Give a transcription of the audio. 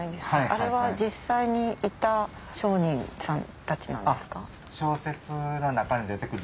あれは実際にいた上人さんたちなんですか？